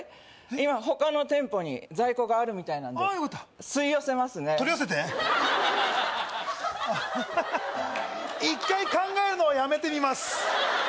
今他の店舗に在庫があるみたいなんでああよかった吸い寄せますね取り寄せて一回考えるのをやめてみます